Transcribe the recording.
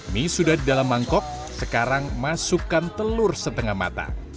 mie sudah di dalam mangkok sekarang masukkan telur setengah matang